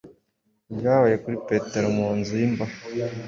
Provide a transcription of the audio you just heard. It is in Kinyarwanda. ibyabaye kuri Petero mu nzu y’imbohe,